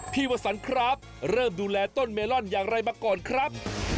วสันครับเริ่มดูแลต้นเมลอนอย่างไรมาก่อนครับ